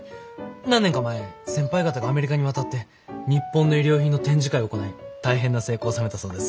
何年か前先輩方がアメリカに渡って日本の衣料品の展示会を行い大変な成功を収めたそうです。